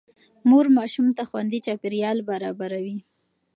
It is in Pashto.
مور ماشوم ته خوندي چاپېريال برابروي.